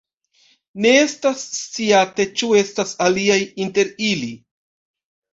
Ne estas sciate ĉu estas aliaj inter ili.